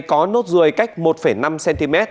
có nốt ruồi cách một năm cm